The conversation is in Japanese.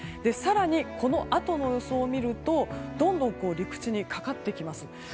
更に、このあとの予想を見るとどんどん陸地にかかってきます。